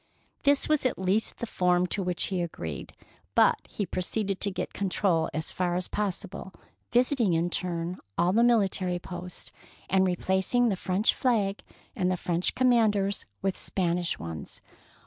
This was at least the form to which he agreed ; but he proceeded to get con trol as far as possible, visiting in turn all the military posts, and replacing the French flag and the French command ers with Spanish ones.